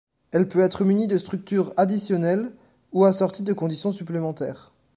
Elle peut être munie de structures additionnelles ou assortie de conditions supplémentaires.